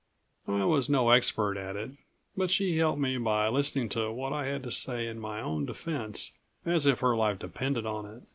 I was no expert at it, but she helped me by listening to what I had to say in my own defense as if her life depended on it.